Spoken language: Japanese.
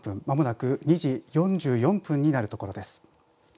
まもなく２時４４分になるところです。